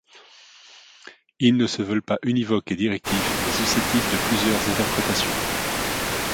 Ils ne se veulent pas univoques et directifs mais susceptibles de plusieurs interprétations.